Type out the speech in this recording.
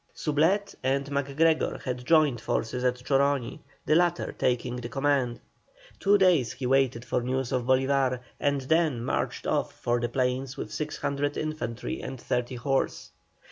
Soublette and MacGregor had joined forces at Choroni, the latter taking the command. Two days he waited for news of Bolívar and then marched off for the plains with 600 infantry and 30 horse.